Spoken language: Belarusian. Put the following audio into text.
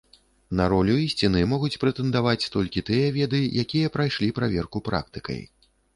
На ролю ісціны могуць прэтэндаваць толькі тыя веды, якія прайшлі праверку практыкай.